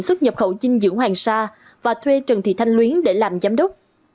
xuất nhập khẩu dinh dưỡng hoàng sa và thuê trần thị thanh luyến để làm giám đốc